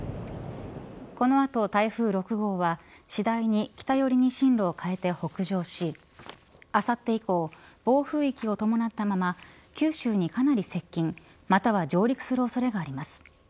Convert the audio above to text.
この後、台風６号は次第に北寄りに進路を変えて北上しあさって以降暴風域を伴ったまま九州にかなり接近または上陸する恐れがあります。